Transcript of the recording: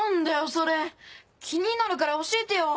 それ気になるから教えてよ！